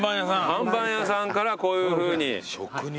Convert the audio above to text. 看板屋さんからこういうふうに。